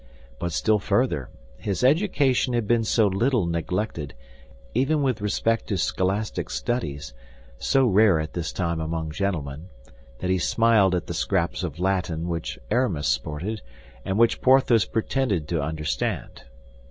But still further, his education had been so little neglected, even with respect to scholastic studies, so rare at this time among gentlemen, that he smiled at the scraps of Latin which Aramis sported and which Porthos pretended to understand.